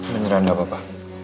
beneran gak apa apa